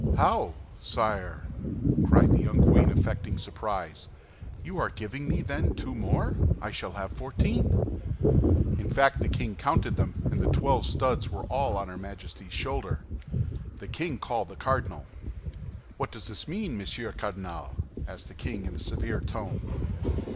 "How, sire?" cried the young queen, affecting surprise, "you are giving me, then, two more: I shall have fourteen." In fact the king counted them, and the twelve studs were all on her Majesty's shoulder. The king called the cardinal. "What does this mean, Monsieur Cardinal?" asked the king in a severe tone.